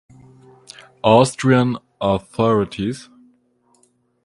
Austrian authorities.